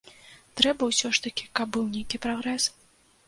Трэба ўсё ж такі, каб быў нейкі прагрэс.